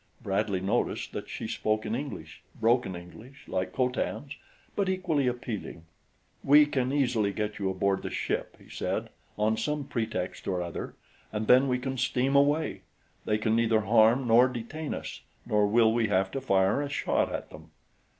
Bradley noticed that she spoke in English broken English like Co Tan's but equally appealing. "We can easily get you aboard the ship," he said, "on some pretext or other, and then we can steam away. They can neither harm nor detain us, nor will we have to fire a shot at them."